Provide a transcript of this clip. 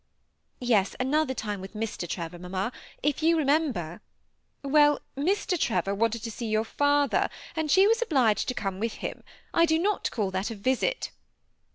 ^Yes, another time with Mr. Trevor, mamma. If you rem«nber" —" Well, Mr. Trevor wanted to see your fether, and she was obliged to come with him ; I do not call that a visit."